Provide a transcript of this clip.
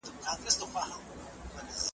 اوښکي په بڼو چي مي پېیلې اوس یې نه لرم .